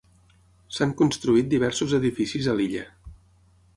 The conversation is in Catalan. S'han construït diversos edificis a l'illa.